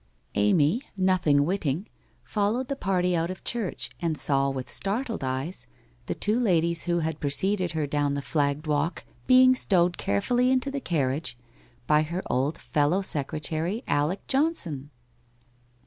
Amy, nothing witting, followed the party out of church and saw with startled eyes the two ladies who had preceded her down the flagged walk being stowed carefully into the carriage by her old fellow secretary, Alec Johnson